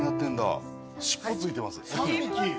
３匹。